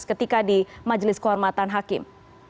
ketika di majelis kehormatan hakim